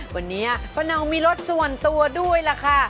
วันนี้ป้าเนามีรถส่วนตัวด้วยล่ะค่ะ